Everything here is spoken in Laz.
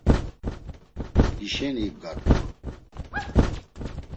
Hişeni. İbgart̆u.